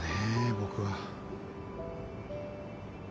僕は。